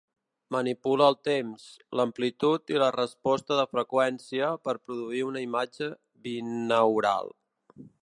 Manipula els temps, l'amplitud i la resposta de freqüència per produir una imatge binaural.